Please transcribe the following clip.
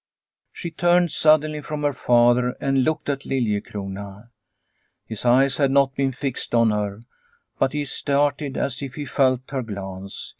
She turned suddenly from her father and looked at Liliecrona. His eyes had not been fixed on her, but he started as if he felt her glance.